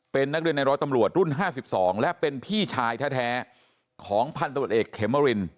เป็นนักเรียนในร้อยตำรวจรุ่น๕๒และเป็นพี่ชายแท้ของพันธุ์ตำรวจเอกเขมริน